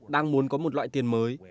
đang muốn có một loại tiền mới